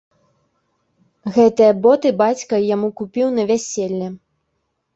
Гэтыя боты бацька яму купіў на вяселле.